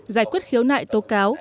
giải quyết khiếu nại tố cáo